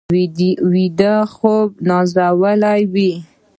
ویده خوب نازولي وي